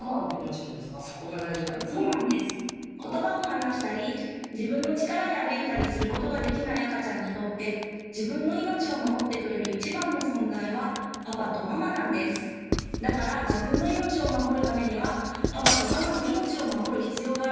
ことばを話したり自分の力で歩いたりすることができない赤ちゃんにとって自分の命を守ってくれる一番の存在はだから自分の命を守るためにはパパとママの命を守る必要がある。